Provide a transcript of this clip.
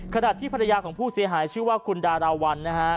ขณะที่ภรรยาของผู้เสียหายชื่อว่าคุณดาราวันนะฮะ